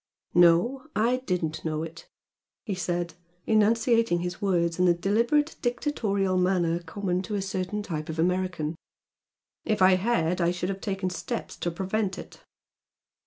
"No I didn't know it" he said, enunciating his words in the deliberate dictatorial manner common to a certain type of American "If I had I should have taken steps to prevent it."